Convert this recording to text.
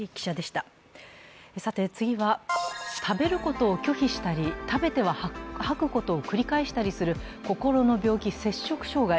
次は食べることを拒否したり、食べては吐くことを繰り返したりする心の病気、摂食障害。